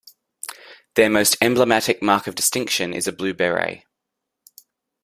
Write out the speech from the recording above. Their most emblematic mark of distinction is a blue beret.